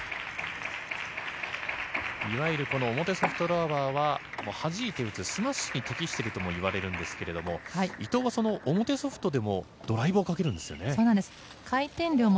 いわゆる表ソフトラバーは弾いて打つスマッシュに適しているともいわれるんですが伊藤は、その表ソフトでもドライブをかけるんですよね。